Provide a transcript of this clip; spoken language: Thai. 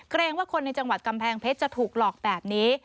ว่าคนในจังหวัดกำแพงเพชรจะถูกหลอกแบบนี้